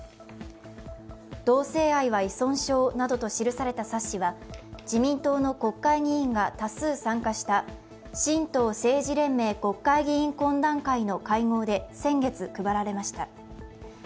同性愛は依存症などと記された冊子は、自民党の国会議員が多数参加した神道政治連盟国会議員懇談会の会合で先月、配られました。